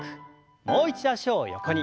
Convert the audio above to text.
もう一度脚を横に。